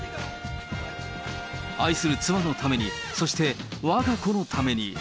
愛する妻のために、そしてわが子のために。